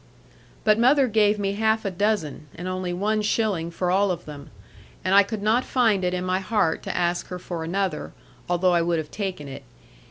But mother gave me half a dozen, and only one shilling for all of them; and I could not find it in my heart to ask her for another, although I would have taken it.